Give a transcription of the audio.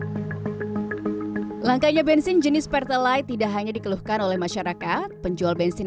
hai langkahnya bensin jenis perthelite tidak hanya dikeluhkan oleh masyarakat penjual bensin